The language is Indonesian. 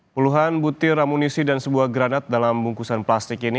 puluhan butir amunisi dan sebuah granat dalam bungkusan plastik ini